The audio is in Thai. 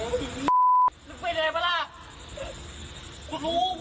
กูไม่รับกูไม่ต้องพูด